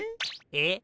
えっ？